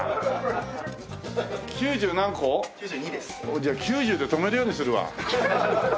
じゃあ９０で止めるようにするわ。